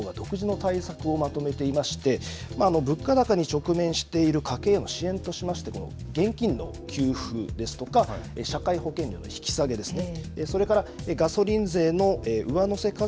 一方の野党側もですね各党が独自の対策をまとめていまして物価高に直面している家計への支援としましてこの現金の給付ですとか社会保険料の引き下げですね。